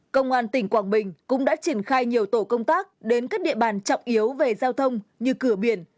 công an tỉnh quảng bình cũng đã triển khai nhiều tổ công tác đến các địa bàn trọng yếu về giao thông như cửa biển